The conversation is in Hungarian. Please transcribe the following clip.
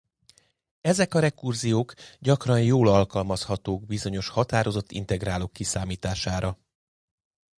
Ezek a rekurziók gyakran jól alkalmazhatók bizonyos határozott integrálok kiszámítására.